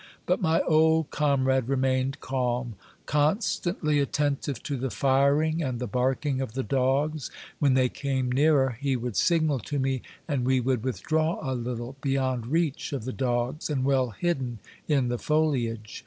But my old comrade remained calm. Constantly 296 Monday Tales, attentive to the firing and the barking of the dogs, when they came nearer he would signal to me, and we would withdraw a little, beyond reach of the dogs and well hidden in the foliage.